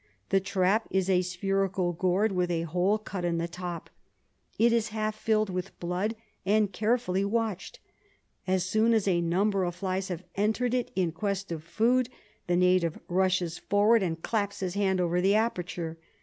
The trap is a spherical gourd with a hole cut in the top. It is half filled with blood, and carefully watched. As soon as a number of flies have entered it in quest of food the native rushes forward and claps his hand over the aperture.